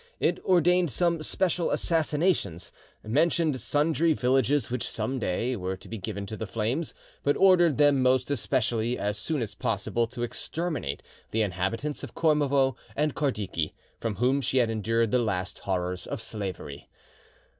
It ordained some special assassinations, mentioned sundry villages which, some day; were to be given to the flames, but ordered them most especially, as soon as possible, to exterminate the inhabitants of Kormovo and Kardiki, from whom she had endured the last horrors of slavery.